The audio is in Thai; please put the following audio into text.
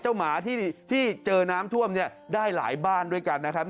หมาที่เจอน้ำท่วมเนี่ยได้หลายบ้านด้วยกันนะครับ